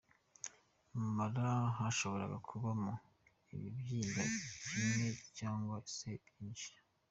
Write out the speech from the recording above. Mu mura hashobora kubamo ikibyimba kimwe cyangwa se byinshi.